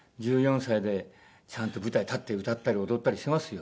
１４歳でちゃんと舞台に立って歌ったり踊ったりしてますよ。